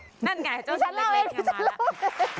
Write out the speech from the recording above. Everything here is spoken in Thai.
นั่นไงเจ้าชั้นเล็กมาล่ะ